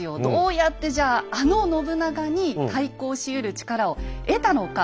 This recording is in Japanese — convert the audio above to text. どうやってじゃああの信長に対抗しうる力を得たのか。